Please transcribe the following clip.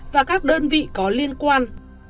và các đơn vị có liên quan